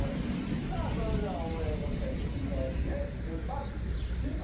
それでは大江戸線次の駅へ出発進行！